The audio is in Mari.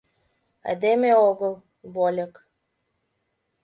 Айдеме огыл, вольык.